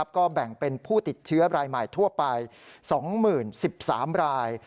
ก็แบ่งเป็นผู้ติดเชื้อรายใหม่ทั่วไป๒๐๑๓ราย